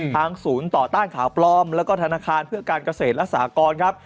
ศูนย์ต่อต้านข่าวปลอมแล้วก็ธนาคารเพื่อการเกษตรและสากรครับ